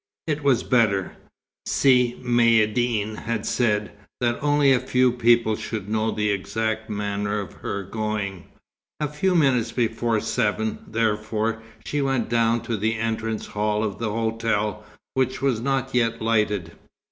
It was better, Si Maïeddine had said, that only a few people should know the exact manner of her going. A few minutes before seven, therefore, she went down to the entrance hall of the hotel, which was not yet lighted.